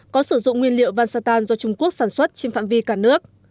có sử dụng nguyên liệu văn sa tan do trung quốc sản xuất trên phạm vi cả nước